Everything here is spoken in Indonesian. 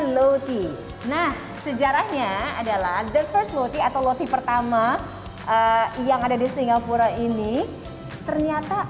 loti nah sejarahnya adalah the first loti atau loti pertama yang ada di singapura ini ternyata